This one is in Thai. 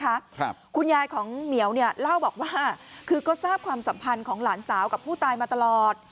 ครับคุณยายของเหมียวเนี่ยเล่าบอกว่าคือก็ทราบความสัมพันธ์ของหลานสาวกับผู้ตายมาตลอด